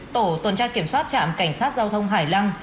tổ tuần tra kiểm soát trạm cảnh sát giao thông hải lăng